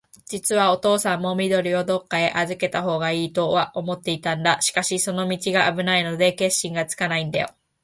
じつはおとうさんも、緑をどっかへあずけたほうがいいとは思っていたんだ。しかし、その道があぶないので、決心がつかないんだよ。